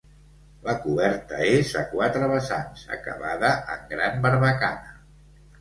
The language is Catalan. La coberta és a quatre vessants, acabada en gran barbacana.